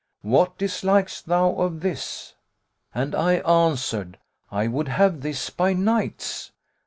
[FN#113] What dislikest thou of this?' And I answered I would have this by nights.'